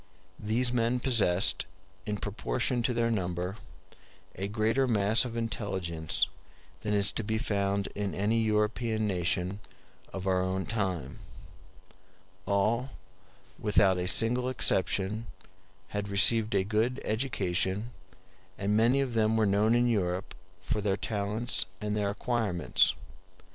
These men possessed, in proportion to their number, a greater mass of intelligence than is to be found in any European nation of our own time. All, without a single exception, had received a good education, and many of them were known in Europe for their talents and their acquirements.